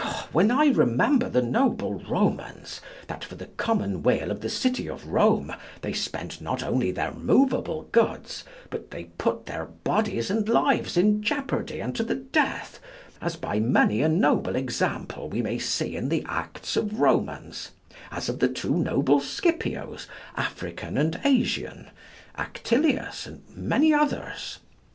when I remember the noble Romans, that for the common weal of the city of Rome they spent not only their moveable goods but they put their bodies and lives in jeopardy and to the death, as by many a noble example we may see in the acts of Romans, as of the two noble Scipios, African and Asian, Actilius, and many others.